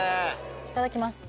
いただきます。